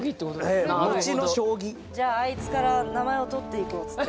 すごい。じゃああいつから名前を取っていこうっつって。